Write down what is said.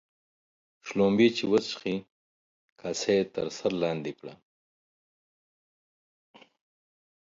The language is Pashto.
شلومبې چې وچښې ، کاسه يې تر سر لاندي کړه.